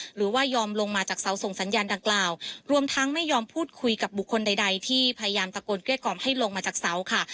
หรือว่ายอมลงมาจากเสาส่งสัญญาณดังกล่าวรวมทั้งไม่ยอมพูดคุยกับบุคคลใดที่พยายามตะโกนเกลี้กล่อมให้ลงมาจากเสาค่ะ